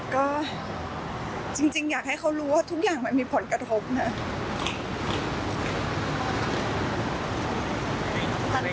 ก็จริงอยากให้เขารู้ว่าทุกอย่างมันมีผลกระทบนะ